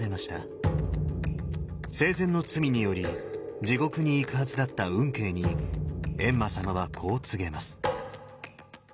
生前の罪により地獄に行くはずだった運慶に閻魔様はこう告げます。